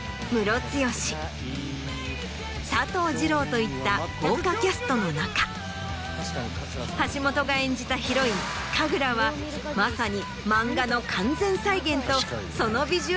といった豪華キャストの中橋本が演じたヒロイン神楽はまさに。